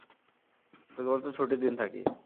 শুধুমাত্র ছুটির দিন থাকি।